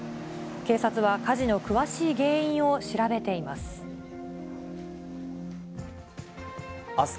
警察は火事の詳しい原因を調べています。